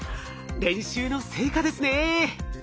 練習の成果ですね。